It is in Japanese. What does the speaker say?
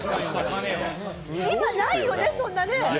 今、ないよね、そんなねぇ。